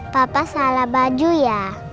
papa salah baju ya